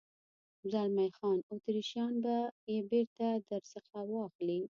زلمی خان: اتریشیان به یې بېرته در څخه واخلي.